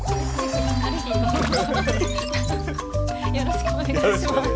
よろしくお願いします。